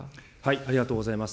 ありがとうございます。